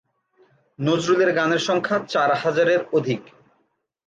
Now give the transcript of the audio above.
নজরুলের গানের সংখ্যা চার হাজারের অধিক।